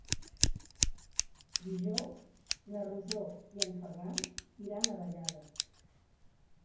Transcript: Dijous na Rosó i en Ferran iran a Vallada.